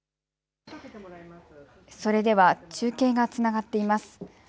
それでは中継がつながっています。